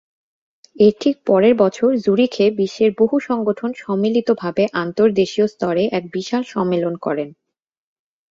এর ঠিক পরের বছর জুরিখে বিশ্বের বহু সংগঠন সম্মিলিত ভাবে আন্তর্দেশীয় স্তরে এক বিশাল সম্মেলন করেন।